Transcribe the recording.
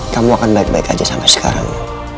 kamu akan baik baik aja sampai sekarang